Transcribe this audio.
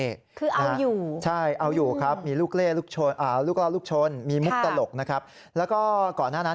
คือเอาอยู่นะครับมีลูกเล่ลูกชนลูกล่อลูกชนมีมุกตลกนะครับแล้วก่อนหน้านั้น